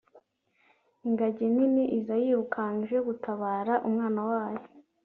Ingagi nini [silverback] iza yirukanka ije gutabara umwana wayo